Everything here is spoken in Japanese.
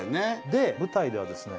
で舞台ではですね